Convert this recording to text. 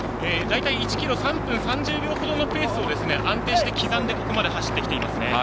１ｋｍ３分３０秒ほどのペースを安定して、刻んでここまで走ってきていますね。